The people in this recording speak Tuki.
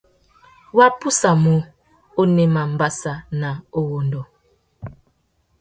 Wá pussamú, unema mbassa na uwundu.